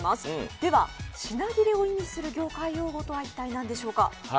では、品切れを意味する業界用語とは一体何でしょうか。